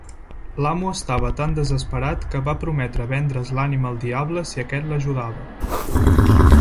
L'amo estava tan desesperat que va prometre vendre's l'ànima al diable si aquest l'ajudava.